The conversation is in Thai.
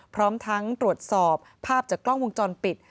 พร้อมทั้งตรวจสอบภาพจากกล้องวงจรปิด